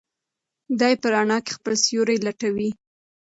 دی په رڼا کې خپل سیوری لټوي.